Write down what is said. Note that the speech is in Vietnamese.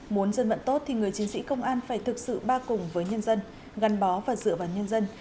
muốn dân vận tốt thì người chiến sĩ công an phải thực sự ba cùng với nhân dân gắn bó và dựa vào nhân dân